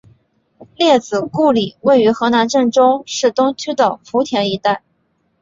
列子故里位于河南郑州市东区的圃田一带。